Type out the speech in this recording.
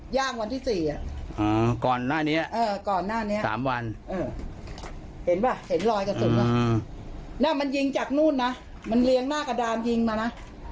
เห็นป่ะเห็นรอยกระสุนอ่ะอืมนั่นมันยิงจากนู่นน่ะมันเรียงหน้ากระดามยิงมาน่ะ